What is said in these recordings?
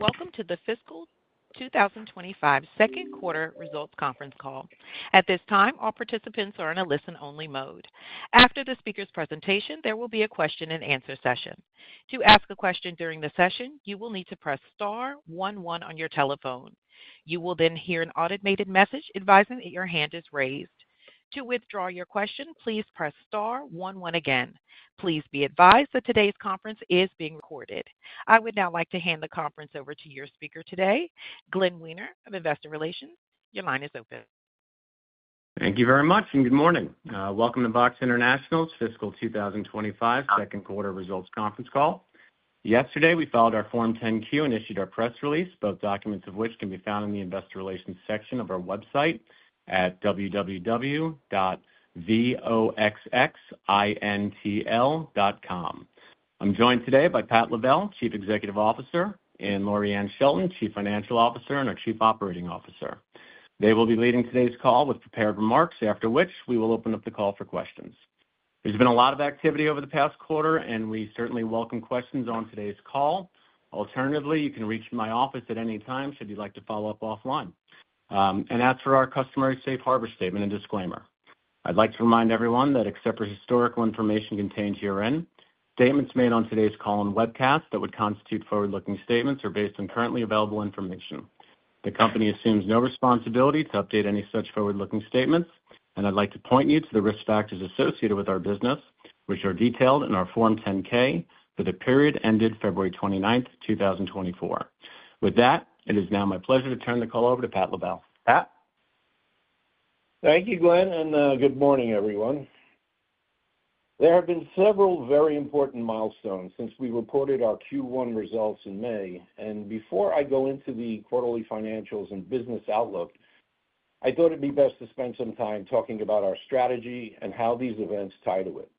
Welcome to the fiscal 2025 second quarter results conference call. At this time, all participants are in a listen-only mode. After the speaker's presentation, there will be a question-and-answer session. To ask a question during the session, you will need to press star one one on your telephone. You will then hear an automated message advising that your hand is raised. To withdraw your question, please press star one one again. Please be advised that today's conference is being recorded. I would now like to hand the conference over to your speaker today, Glenn Wiener of Investor Relations. Your line is open. Thank you very much, and good morning. Welcome to VOXX International's fiscal 2025 second quarter results conference call. Yesterday, we filed our Form 10-Q and issued our press release, both documents of which can be found in the Investor Relations section of our website at www.VOXXintl.com. I'm joined today by Pat Lavelle, Chief Executive Officer, and Loriann Shelton, Chief Financial Officer and our Chief Operating Officer. They will be leading today's call with prepared remarks, after which we will open up the call for questions. There's been a lot of activity over the past quarter, and we certainly welcome questions on today's call. Alternatively, you can reach my office at any time, should you like to follow up offline. And as for our customary safe harbor statement and disclaimer, I'd like to remind everyone that except for historical information contained herein, statements made on today's call and webcast that would constitute forward-looking statements are based on currently available information. The company assumes no responsibility to update any such forward-looking statements, and I'd like to point you to the risk factors associated with our business, which are detailed in our Form 10-K for the period ended February 29th, 2024. With that, it is now my pleasure to turn the call over to Pat Lavelle. Pat? Thank you, Glenn, and good morning, everyone. There have been several very important milestones since we reported our Q1 results in May, and before I go into the quarterly financials and business outlook, I thought it'd be best to spend some time talking about our strategy and how these events tie to it.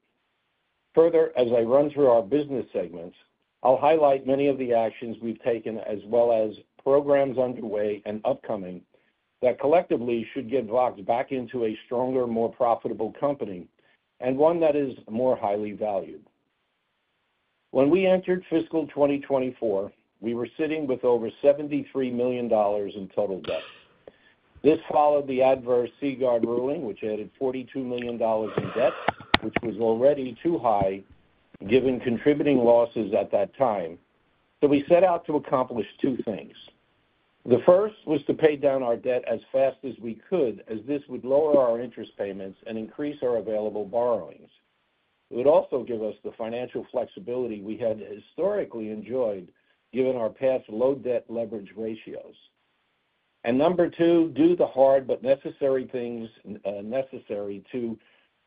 Further, as I run through our business segments, I'll highlight many of the actions we've taken, as well as programs underway and upcoming, that collectively should get VOXX back into a stronger, more profitable company and one that is more highly valued. When we entered fiscal 2024, we were sitting with over $73 million in total debt. This followed the adverse Seaguard ruling, which added $42 million in debt, which was already too high, given contributing losses at that time. So we set out to accomplish two things. The first was to pay down our debt as fast as we could, as this would lower our interest payments and increase our available borrowings. It would also give us the financial flexibility we had historically enjoyed, given our past low debt leverage ratios. And number two, do the hard but necessary things, necessary to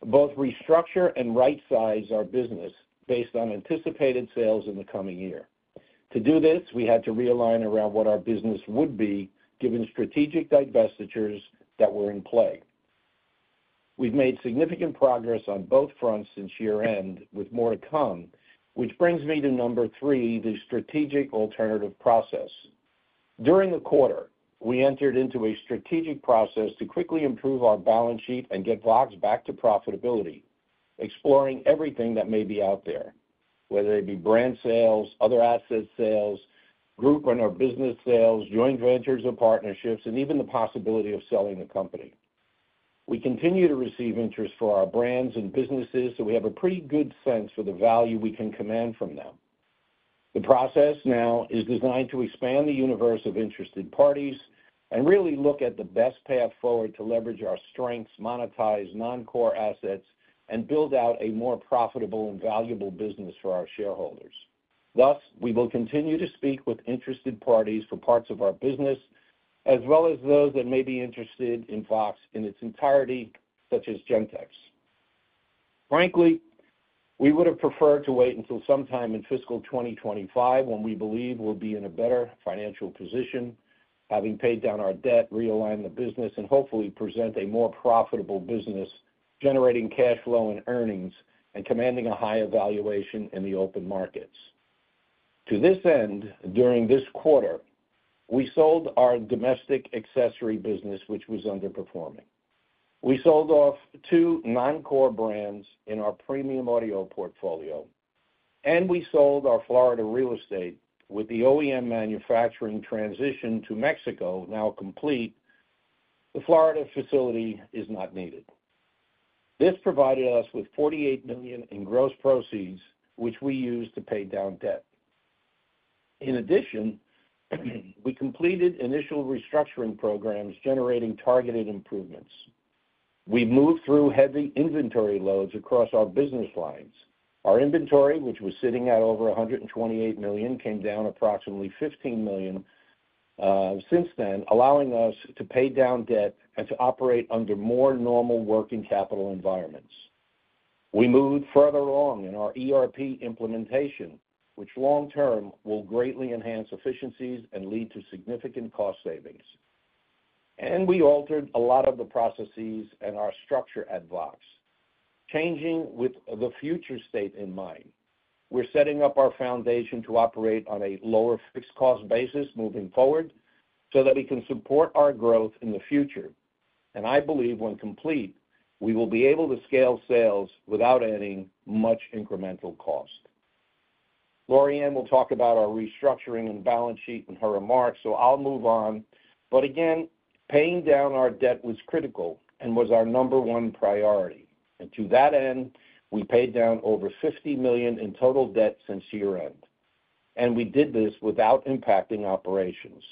both restructure and right-size our business based on anticipated sales in the coming year. To do this, we had to realign around what our business would be, given strategic divestitures that were in play. We've made significant progress on both fronts since year-end, with more to come, which brings me to number three, the strategic alternative process. During the quarter, we entered into a strategic process to quickly improve our balance sheet and get VOXX back to profitability, exploring everything that may be out there, whether it be brand sales, other asset sales, group or business sales, joint ventures or partnerships, and even the possibility of selling the company. We continue to receive interest for our brands and businesses, so we have a pretty good sense for the value we can command from them. The process now is designed to expand the universe of interested parties and really look at the best path forward to leverage our strengths, monetize non-core assets, and build out a more profitable and valuable business for our shareholders. Thus, we will continue to speak with interested parties for parts of our business, as well as those that may be interested in VOXX in its entirety, such as Gentex. Frankly, we would have preferred to wait until sometime in fiscal 2025, when we believe we'll be in a better financial position, having paid down our debt, realigned the business, and hopefully present a more profitable business, generating cash flow and earnings and commanding a higher valuation in the open markets. To this end, during this quarter, we sold our domestic accessory business, which was underperforming. We sold off two non-core brands in our premium audio portfolio, and we sold our Florida real estate. With the OEM manufacturing transition to Mexico now complete, the Florida facility is not needed. This provided us with $48 million in gross proceeds, which we used to pay down debt. In addition, we completed initial restructuring programs, generating targeted improvements. We moved through heavy inventory loads across our business lines. Our inventory, which was sitting at over $128 million, came down approximately $15 million, since then, allowing us to pay down debt and to operate under more normal working capital environments. We moved further along in our ERP implementation, which long term will greatly enhance efficiencies and lead to significant cost savings, and we altered a lot of the processes and our structure at VOXX, changing with the future state in mind. We're setting up our foundation to operate on a lower fixed cost basis moving forward, so that we can support our growth in the future... and I believe when complete, we will be able to scale sales without adding much incremental cost. Loriann will talk about our restructuring and balance sheet in her remarks, so I'll move on. But again, paying down our debt was critical and was our number one priority, and to that end, we paid down over $50 million in total debt since year-end, and we did this without impacting operations.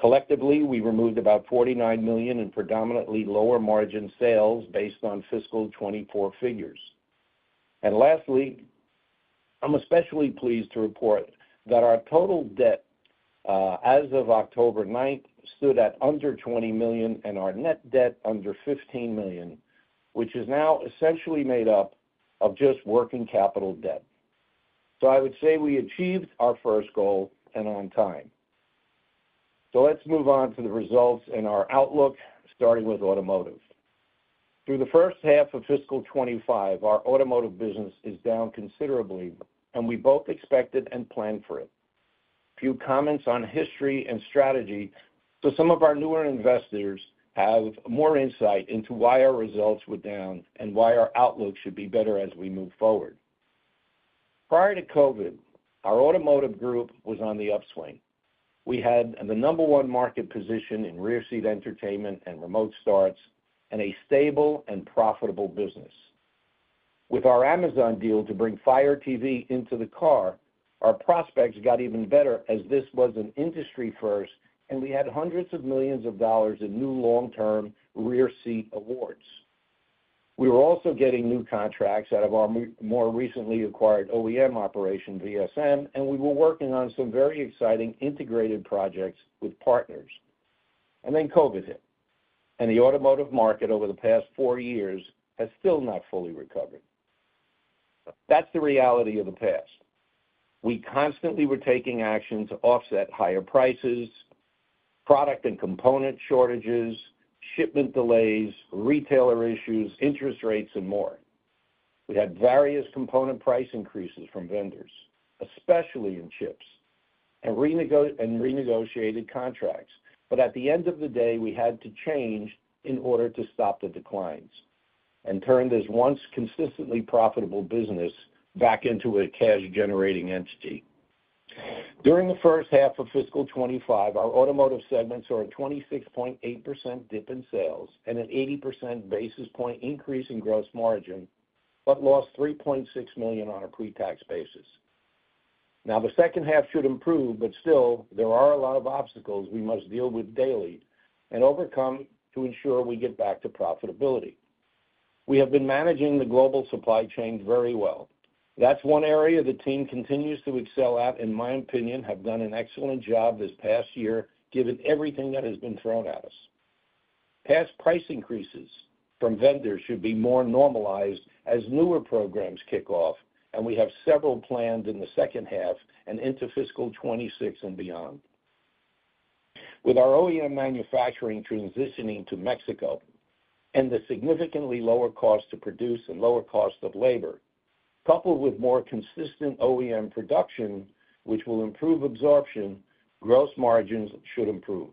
Collectively, we removed about $49 million in predominantly lower margin sales based on fiscal 2024 figures. Lastly, I'm especially pleased to report that our total debt as of October 9th stood at under $20 million, and our net debt under $15 million, which is now essentially made up of just working capital debt. I would say we achieved our first goal and on time. Let's move on to the results and our outlook, starting with automotive. Through the first half of fiscal 2025, our automotive business is down considerably, and we both expected and planned for it. A few comments on history and strategy, so some of our newer investors have more insight into why our results were down and why our outlook should be better as we move forward. Prior to COVID, our automotive group was on the upswing. We had the number one market position in rear seat entertainment and remote starts, and a stable and profitable business. With our Amazon deal to bring Fire TV into the car, our prospects got even better as this was an industry first, and we had hundreds of millions of dollars in new long-term rear seat awards. We were also getting new contracts out of our more recently acquired OEM operation, VSM, and we were working on some very exciting integrated projects with partners, and then COVID hit, and the automotive market over the past four years has still not fully recovered. That's the reality of the past. We constantly were taking action to offset higher prices, product and component shortages, shipment delays, retailer issues, interest rates and more. We had various component price increases from vendors, especially in chips, and renegotiated contracts. But at the end of the day, we had to change in order to stop the declines and turn this once consistently profitable business back into a cash-generating entity. During the first half of fiscal 2025, our automotive segments saw a 26.8% dip in sales and an 800 basis point increase in gross margin, but lost $3.6 million on a pre-tax basis. Now, the second half should improve, but still, there are a lot of obstacles we must deal with daily and overcome to ensure we get back to profitability. We have been managing the global supply chain very well. That's one area the team continues to excel at, in my opinion, have done an excellent job this past year, given everything that has been thrown at us. Past price increases from vendors should be more normalized as newer programs kick off, and we have several planned in the second half and into fiscal 2026 and beyond. With our OEM manufacturing transitioning to Mexico and the significantly lower cost to produce and lower cost of labor, coupled with more consistent OEM production, which will improve absorption, gross margins should improve.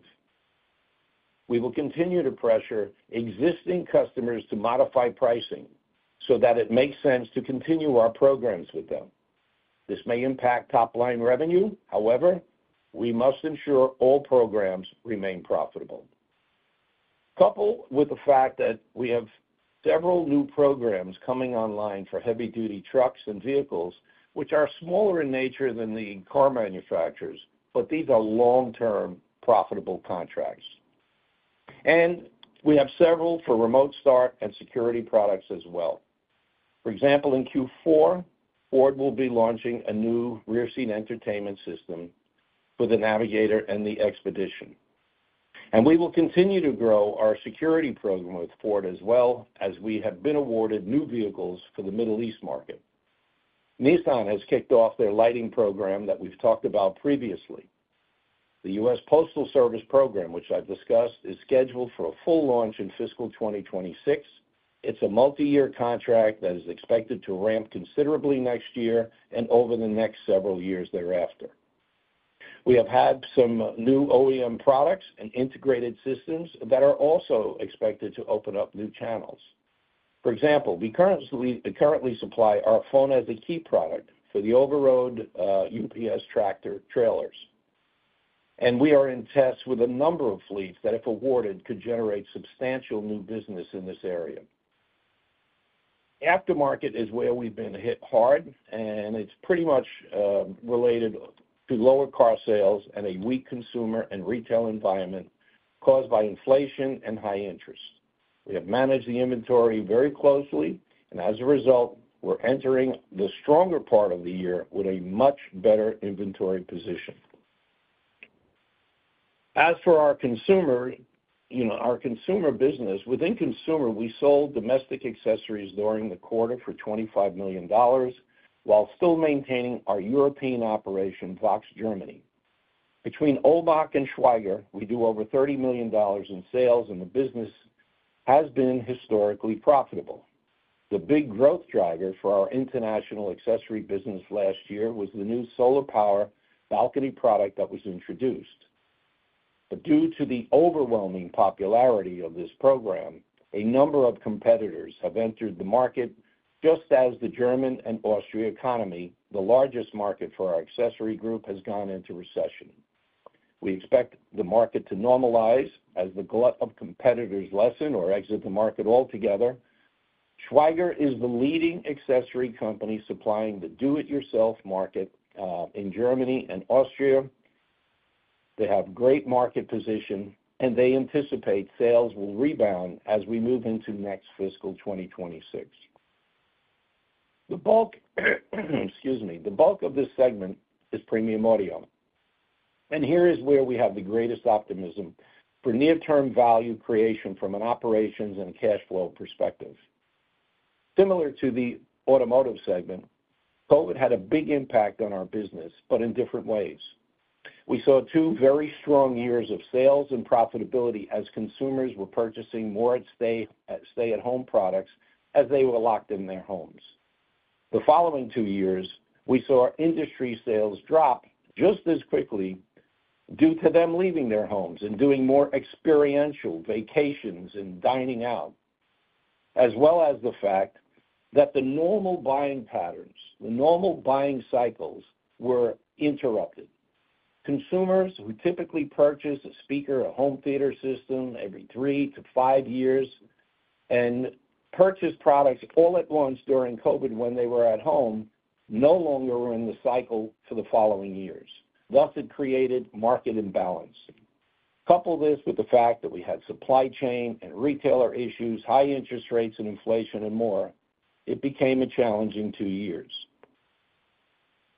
We will continue to pressure existing customers to modify pricing so that it makes sense to continue our programs with them. This may impact top-line revenue. However, we must ensure all programs remain profitable. Coupled with the fact that we have several new programs coming online for heavy-duty trucks and vehicles, which are smaller in nature than the car manufacturers, but these are long-term, profitable contracts, and we have several for remote start and security products as well. For example, in Q4, Ford will be launching a new rear seat entertainment system for the Navigator and the Expedition, and we will continue to grow our security program with Ford as well, as we have been awarded new vehicles for the Middle East market. Nissan has kicked off their lighting program that we've talked about previously. The U.S. Postal Service program, which I've discussed, is scheduled for a full launch in fiscal 2026. It's a multiyear contract that is expected to ramp considerably next year and over the next several years thereafter. We have had some new OEM products and integrated systems that are also expected to open up new channels. For example, we currently supply our Phone As A Key product for the over-the-road UPS tractor-trailers. And we are in tests with a number of fleets that, if awarded, could generate substantial new business in this area. Aftermarket is where we've been hit hard, and it's pretty much related to lower car sales and a weak consumer and retail environment caused by inflation and high interest. We have managed the inventory very closely, and as a result, we're entering the stronger part of the year with a much better inventory position. As for our consumer, you know, our consumer business, within consumer, we sold domestic accessories during the quarter for $25 million, while still maintaining our European operation, VOXX Germany. Between Oehlbach and Schwaiger, we do over $30 million in sales, and the business has been historically profitable. The big growth driver for our international accessory business last year was the new solar power balcony product that was introduced. But due to the overwhelming popularity of this program, a number of competitors have entered the market just as the German and Austrian economy, the largest market for our accessory group, has gone into recession. We expect the market to normalize as the glut of competitors lessen or exit the market altogether. Schwaiger is the leading accessory company supplying the do-it-yourself market in Germany and Austria. They have great market position, and they anticipate sales will rebound as we move into next fiscal 2026. The bulk, excuse me. The bulk of this segment is premium audio, and here is where we have the greatest optimism for near-term value creation from an operations and cash flow perspective. Similar to the automotive segment, COVID had a big impact on our business, but in different ways. We saw two very strong years of sales and profitability as consumers were purchasing more at stay-at-home products as they were locked in their homes. The following two years, we saw industry sales drop just as quickly due to them leaving their homes and doing more experiential vacations and dining out, as well as the fact that the normal buying patterns, the normal buying cycles, were interrupted. Consumers who typically purchase a speaker or home theater system every three to five years and purchase products all at once during COVID, when they were at home, no longer were in the cycle for the following years, thus it created market imbalance. Couple this with the fact that we had supply chain and retailer issues, high interest rates and inflation and more, it became a challenging two years.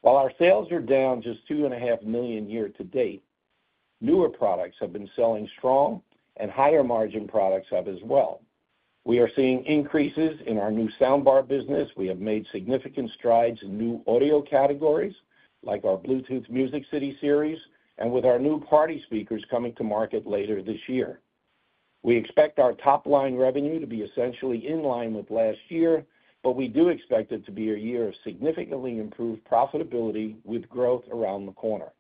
While our sales are down just $2.5 million year to date, newer products have been selling strong and higher margin products have as well. We are seeing increases in our new soundbar business. We have made significant strides in new audio categories, like our Bluetooth Music City Series and with our new party speakers coming to market later this year. We expect our top-line revenue to be essentially in line with last year, but we do expect it to be a year of significantly improved profitability with growth around the corner.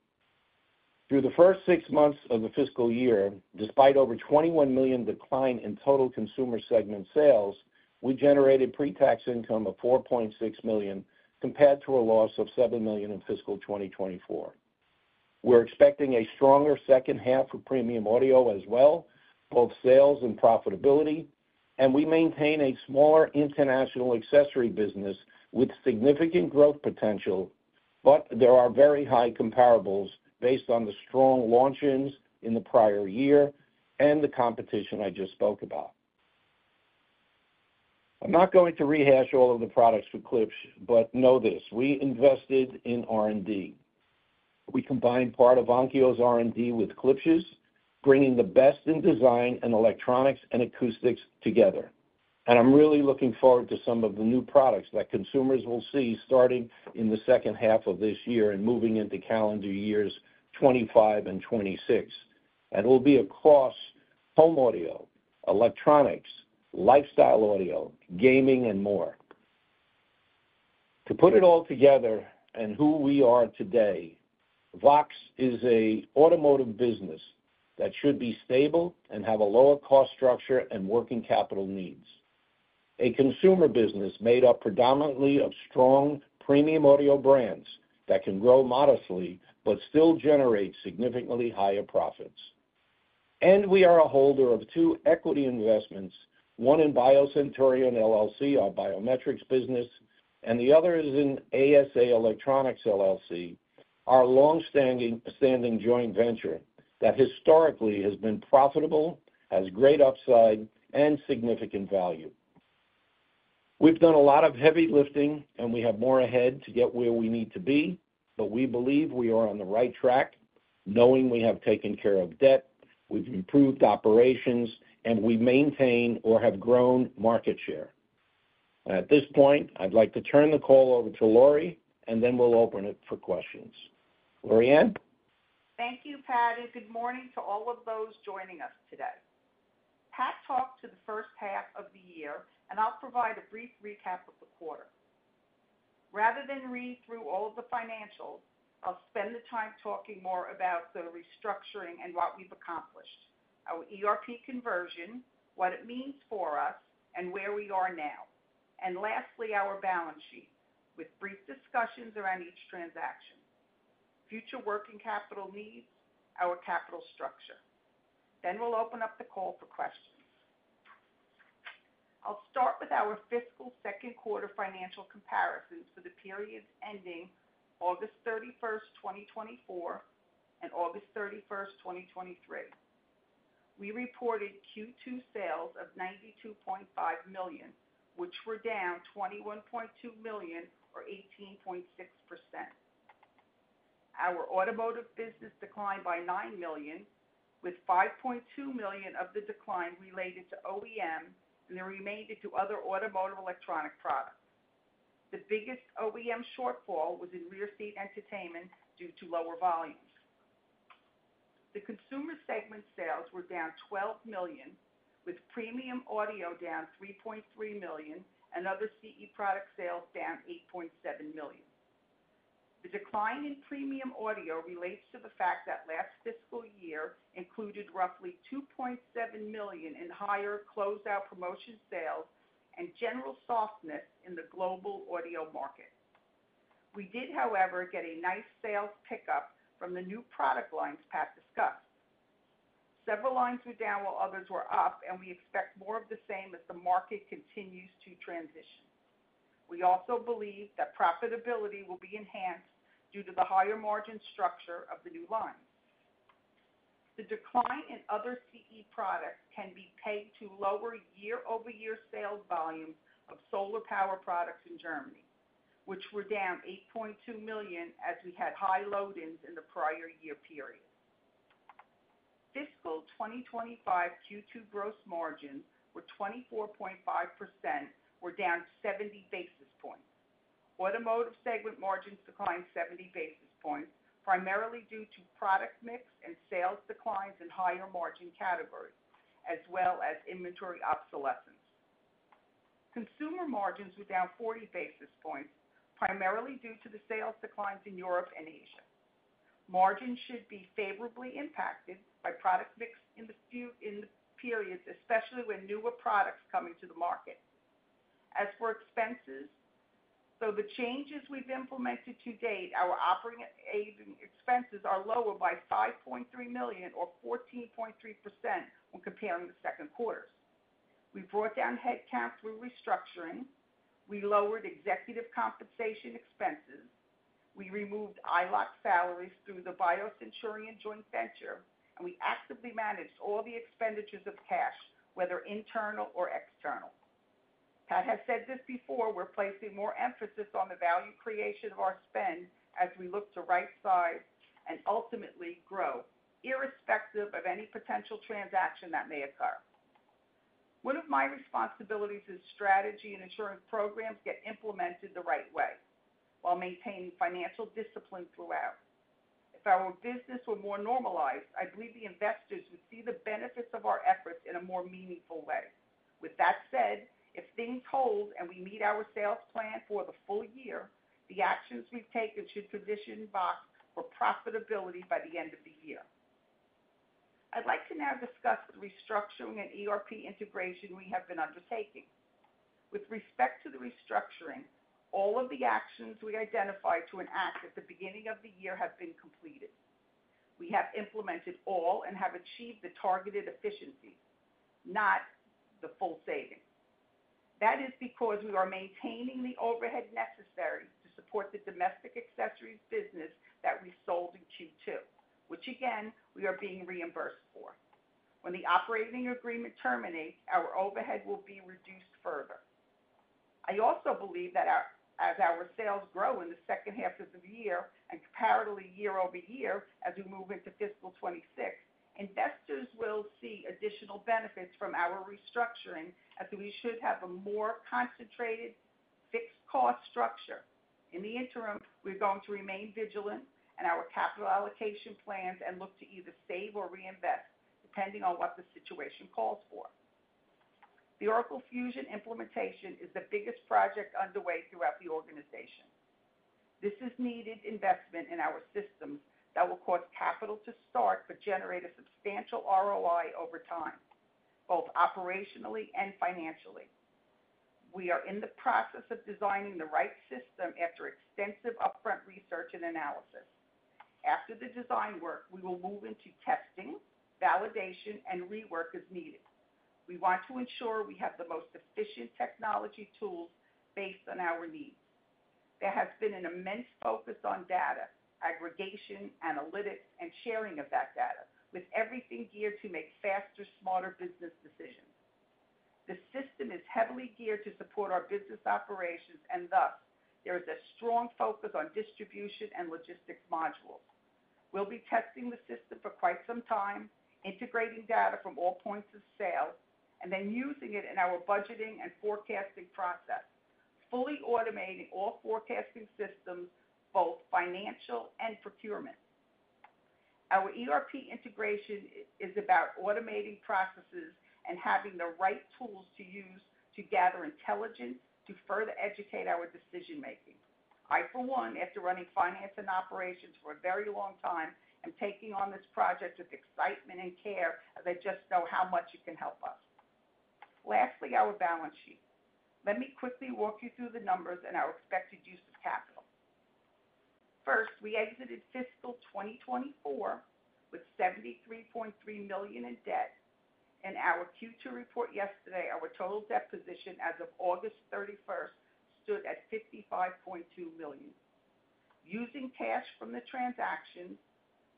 Through the first six months of the fiscal year, despite over $21 million decline in total consumer segment sales, we generated pre-tax income of $4.6 million, compared to a loss of $7 million in fiscal 2024. We're expecting a stronger second half for premium audio as well, both sales and profitability, and we maintain a smaller international accessory business with significant growth potential, but there are very high comparables based on the strong launches in the prior year and the competition I just spoke about. I'm not going to rehash all of the products for Klipsch, but know this: we invested in R&D. We combined part of Onkyo's R&D with Klipsch's, bringing the best in design and electronics and acoustics together. And I'm really looking forward to some of the new products that consumers will see starting in the second half of this year and moving into calendar years 2025 and 2026. And it will be across home audio, electronics, lifestyle audio, gaming, and more. To put it all together and who we are today, VOXX is a automotive business that should be stable and have a lower cost structure and working capital needs. A consumer business made up predominantly of strong premium audio brands that can grow modestly but still generate significantly higher profits. And we are a holder of two equity investments, one in BioCenturion LLC, our biometrics business, and the other is in ASA Electronics LLC, our long-standing joint venture that historically has been profitable, has great upside and significant value. We've done a lot of heavy lifting, and we have more ahead to get where we need to be, but we believe we are on the right track, knowing we have taken care of debt, we've improved operations, and we maintain or have grown market share. At this point, I'd like to turn the call over to Lori, and then we'll open it for questions. Loriann? Thank you, Pat, and good morning to all of those joining us today. Pat talked to the first half of the year, and I'll provide a brief recap of the quarter. Rather than read through all of the financials, I'll spend the time talking more about the restructuring and what we've accomplished, our ERP conversion, what it means for us and where we are now. And lastly, our balance sheet, with brief discussions around each transaction, future working capital needs, our capital structure. Then we'll open up the call for questions. I'll start with our fiscal second quarter financial comparisons for the periods ending August thirty-first, 2024, and August thirty-first, 2023. We reported Q2 sales of $92.5 million, which were down $21.2 million or 18.6%. Our automotive business declined by $9 million, with $5.2 million of the decline related to OEM and the remainder to other automotive electronic products. The biggest OEM shortfall was in rear seat entertainment due to lower volumes. The consumer segment sales were down $12 million, with premium audio down $3.3 million and other CE product sales down $8.7 million. The decline in premium audio relates to the fact that last fiscal year included roughly $2.7 million in higher closed out promotion sales and general softness in the global audio market. We did, however, get a nice sales pickup from the new product lines Pat discussed. Several lines were down, while others were up, and we expect more of the same as the market continues to transition. We also believe that profitability will be enhanced due to the higher margin structure of the new lines. The decline in other CE products can be attributed to lower year-over-year sales volumes of solar power products in Germany, which were down $8.2 million, as we had high load-ins in the prior year period. Fiscal 2025 Q2 gross margins were 24.5%, down 70 basis points. Automotive segment margins declined 70 basis points, primarily due to product mix and sales declines in higher margin categories, as well as inventory obsolescence. Consumer margins were down 40 basis points, primarily due to the sales declines in Europe and Asia. Margins should be favorably impacted by product mix in the future periods, especially with newer products coming to the market. As for expenses, the changes we've implemented to date, our operating expenses are lower by $5.3 million or 14.3% when comparing the second quarters. We brought down headcount through restructuring. We lowered executive compensation expenses. We removed EyeLock salaries through the BioCenturion joint venture, and we actively managed all the expenditures of cash, whether internal or external. Pat has said this before, we're placing more emphasis on the value creation of our spend as we look to rightsize and ultimately grow, irrespective of any potential transaction that may occur. One of my responsibilities is strategy and ensuring programs get implemented the right way while maintaining financial discipline throughout. If our business were more normalized, I believe the investors would see the benefits of our efforts in a more meaningful way. With that said, if things hold and we meet our sales plan for the full year, the actions we've taken should position VOXX for profitability by the end of the year. I'd like to now discuss the restructuring and ERP integration we have been undertaking. With respect to the restructuring, all of the actions we identified to enact at the beginning of the year have been completed. We have implemented all and have achieved the targeted efficiencies, not the full savings. That is because we are maintaining the overhead necessary to support the domestic accessories business that we sold in Q2, which again, we are being reimbursed for. When the operating agreement terminates, our overhead will be reduced further. I also believe that as our sales grow in the second half of the year and comparable year-over-year, as we move into fiscal 2026, investors will see additional benefits from our restructuring, as we should have a more concentrated fixed cost structure. In the interim, we're going to remain vigilant in our capital allocation plans and look to either save or reinvest, depending on what the situation calls for. The Oracle Fusion implementation is the biggest project underway throughout the organization. This is needed investment in our systems that will cost capital to start, but generate a substantial ROI over time, both operationally and financially. We are in the process of designing the right system after extensive upfront research and analysis. After the design work, we will move into testing, validation, and rework as needed. We want to ensure we have the most efficient technology tools based on our needs. There has been an immense focus on data aggregation, analytics, and sharing of that data, with everything geared to make faster, smarter business decisions. The system is heavily geared to support our business operations, and thus there is a strong focus on distribution and logistics modules. We'll be testing the system for quite some time, integrating data from all points of sale, and then using it in our budgeting and forecasting process, fully automating all forecasting systems, both financial and procurement. Our ERP integration is about automating processes and having the right tools to use to gather intelligence to further educate our decision making. I, for one, after running finance and operations for a very long time and taking on this project with excitement and care, I just know how much it can help us. Lastly, our balance sheet. Let me quickly walk you through the numbers and our expected use of capital. First, we exited fiscal 2024 with $73.3 million in debt. In our Q2 report yesterday, our total debt position as of August 31st stood at $55.2 million. Using cash from the transaction,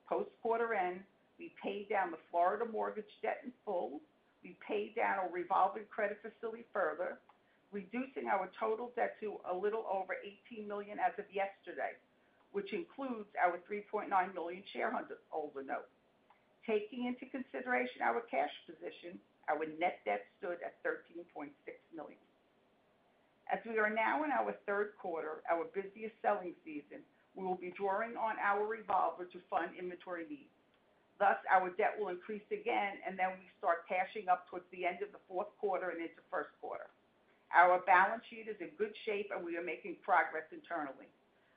post quarter end, we paid down the Florida mortgage debt in full. We paid down our revolving credit facility further, reducing our total debt to a little over $18 million as of yesterday, which includes our $3.9 million shareholder note. Taking into consideration our cash position, our net debt stood at $13.6 million.... as we are now in our third quarter, our busiest selling season, we will be drawing on our revolver to fund inventory needs. Thus, our debt will increase again, and then we start cashing up towards the end of the fourth quarter and into first quarter. Our balance sheet is in good shape, and we are making progress internally.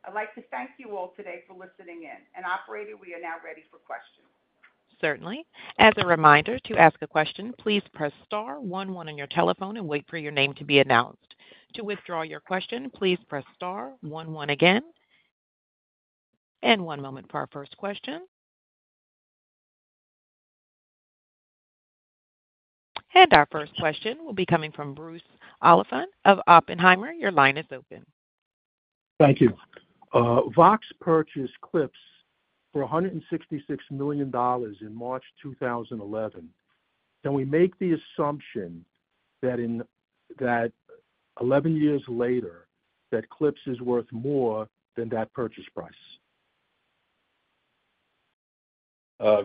I'd like to thank you all today for listening in, and operator, we are now ready for questions. Certainly. As a reminder, to ask a question, please press star one one on your telephone and wait for your name to be announced. To withdraw your question, please press star one one again. And one moment for our first question. And our first question will be coming from Bruce Oliphant of Oppenheimer. Your line is open. Thank you. VOXX purchased Klipsch for $166 million in March 2011. Can we make the assumption that eleven years later, that Klipsch is worth more than that purchase price?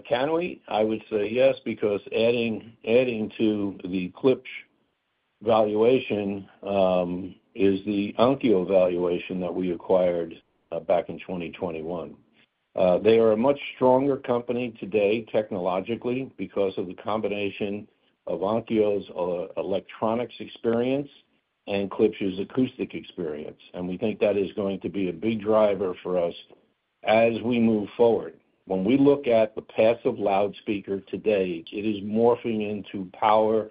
Can we? I would say yes, because adding to the Klipsch valuation is the Onkyo valuation that we acquired back in 2021. They are a much stronger company today, technologically, because of the combination of Onkyo's electronics experience and Klipsch's acoustic experience. And we think that is going to be a big driver for us as we move forward. When we look at the passive loudspeaker today, it is morphing into powered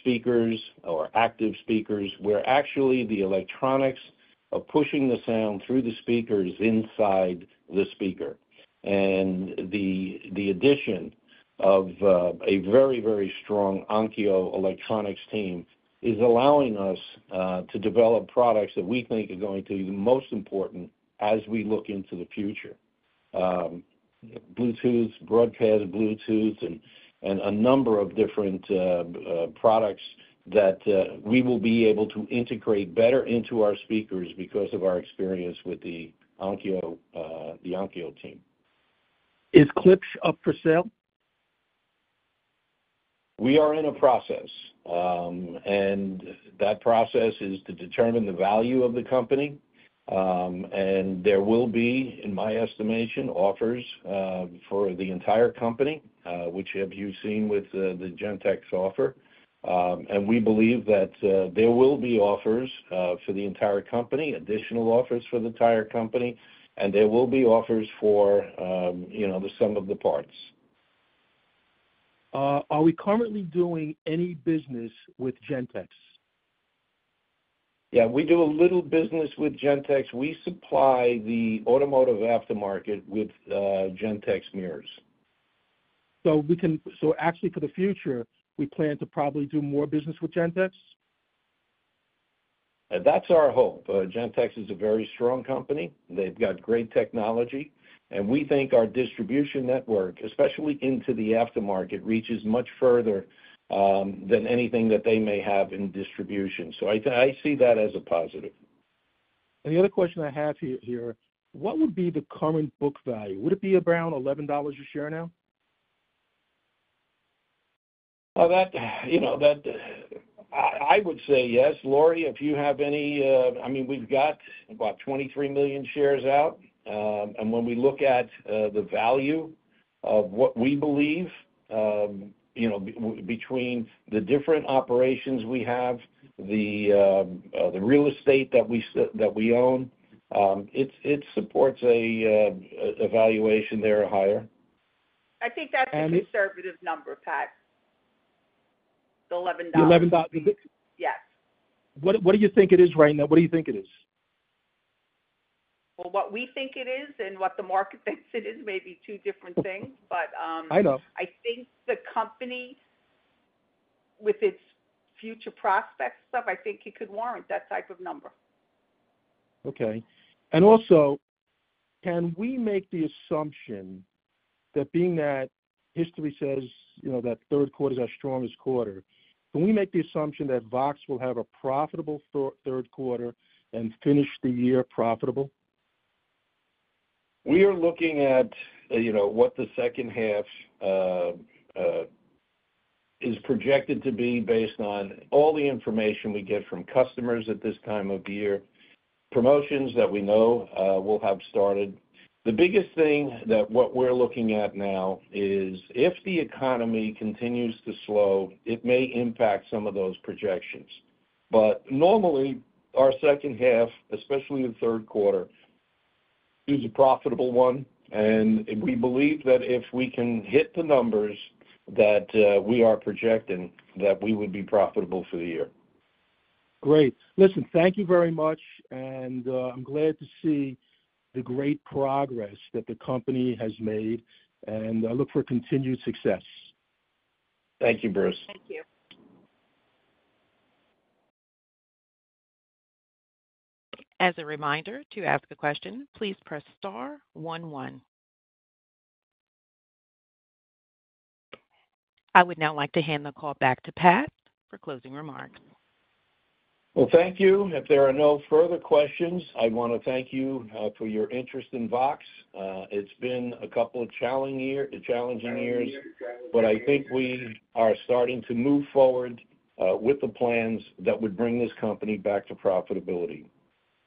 speakers or active speakers, where actually the electronics are pushing the sound through the speakers inside the speaker. And the addition of a very, very strong Onkyo electronics team is allowing us to develop products that we think are going to be the most important as we look into the future. Bluetooth, broadcast Bluetooth, and a number of different products that we will be able to integrate better into our speakers because of our experience with the Onkyo, the Onkyo team. Is Klipsch up for sale? We are in a process, and that process is to determine the value of the company. And there will be, in my estimation, offers, for the entire company, which have you've seen with the Gentex offer. And we believe that, there will be offers, for the entire company, additional offers for the entire company, and there will be offers for, you know, the sum of the parts. Are we currently doing any business with Gentex? Yeah, we do a little business with Gentex. We supply the automotive aftermarket with Gentex mirrors. So actually for the future, we plan to probably do more business with Gentex? That's our hope. Gentex is a very strong company. They've got great technology, and we think our distribution network, especially into the aftermarket, reaches much further than anything that they may have in distribution. So I see that as a positive. The other question I have here, what would be the current book value? Would it be around $11 a share now? Well, that, you know, that, I would say yes. Lori, if you have any, I mean, we've got about $23 million shares out. And when we look at the value of what we believe, you know, between the different operations we have, the real estate that we own, it supports a valuation there or higher. I think that's a conservative number, Pat, the $11. The $11? Yes. What do you think it is right now? What do you think it is? What we think it is and what the market thinks it is may be two different things, but. I know. I think the company, with its future prospects and stuff, I think it could warrant that type of number. Okay. And also, can we make the assumption that being that history says, you know, that third quarter is our strongest quarter, can we make the assumption that VOXX will have a profitable third quarter and finish the year profitable? We are looking at, you know, what the second half is projected to be based on all the information we get from customers at this time of year, promotions that we know will have started. The biggest thing, what we're looking at now, is if the economy continues to slow, it may impact some of those projections. But normally, our second half, especially the third quarter, is a profitable one, and we believe that if we can hit the numbers that we are projecting, that we would be profitable for the year. Great! Listen, thank you very much, and, I'm glad to see the great progress that the company has made, and I look for continued success. Thank you, Bruce. Thank you. As a reminder, to ask a question, please press star one, one. I would now like to hand the call back to Pat for closing remarks. Thank you. If there are no further questions, I want to thank you for your interest in VOXX. It's been a couple of challenging year, challenging years, but I think we are starting to move forward with the plans that would bring this company back to profitability.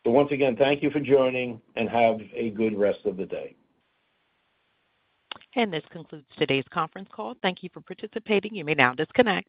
So once again, thank you for joining, and have a good rest of the day. This concludes today's conference call. Thank you for participating. You may now disconnect.